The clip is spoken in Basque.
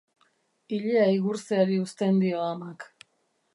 Ilea igurzteari uzten dio amak.